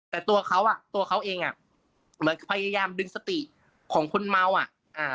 แต่ตัวเขาอ่ะตัวเขาเองอ่ะเหมือนพยายามดึงสติของคนเมาอ่ะอ่า